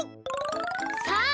さあ